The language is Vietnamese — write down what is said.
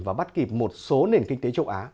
và bắt kịp một số nền kinh tế châu á